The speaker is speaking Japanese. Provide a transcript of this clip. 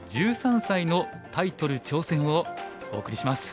１３歳のタイトル挑戦」をお送りします。